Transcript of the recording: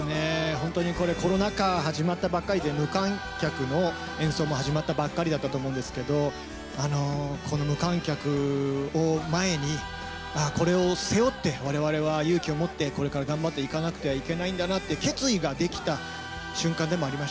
本当にこれコロナ禍始まったばっかりで無観客の演奏も始まったばっかりだったと思うんですけどこの無観客を前にこれを背負って我々は勇気を持ってこれから頑張っていかなくてはいけないんだなという決意ができた瞬間でもありました。